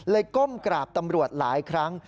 ก้มกราบตำรวจหลายครั้ง